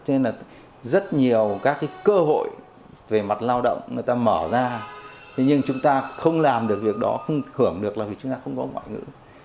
cho nên là rất nhiều các cái cơ hội về mặt lao động người ta mở ra thế nhưng chúng ta không làm được việc đó không hưởng được là vì chúng ta không có ngoại ngữ